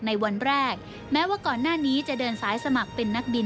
ในวันแรกแม้ว่าก่อนหน้านี้จะเดินสายสมัครเป็นนักบิน